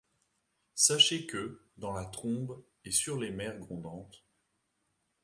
Sachez que, dans la trombe et sur les mers grondantes